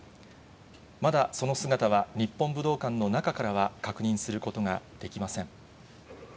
まだその姿は日本武道館の中からは確認することができません。